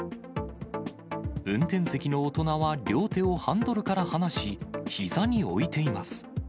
運転席の大人は両手をハンドルから離し、ひざに置いています。